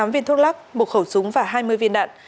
chín mươi tám viên thuốc lắc một khẩu súng và hai mươi viên đạn